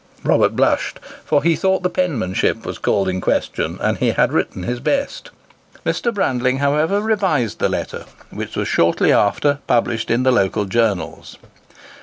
Robert blushed, for he thought the penmanship was called in question, and he had written his best. Mr. Brandling, however, revised the letter, which was shortly after published in the local journals.